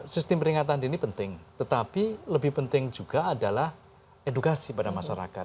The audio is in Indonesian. sistem peringatan dini penting tetapi lebih penting juga adalah edukasi pada masyarakat